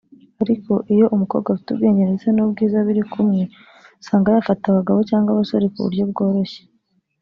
Ariko iyo umukobwa afite ubwenge ndetse n’ubwiza biri kumwe usanga yafata abagabo cyangwa abasore ku buryo bworoshye